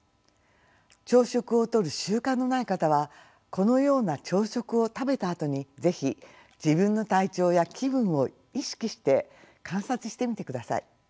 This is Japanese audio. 朝食をとる習慣のない方はこのような朝食を食べたあとに是非自分の体調や気分を意識して観察してみてください。